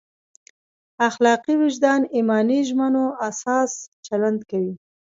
اخلاقي وجدان ایماني ژمنو اساس چلند کوي.